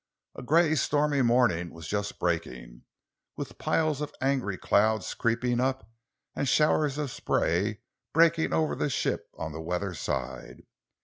A grey, stormy morning was just breaking, with piles of angry clouds creeping up, and showers of spray breaking over the ship on the weather side.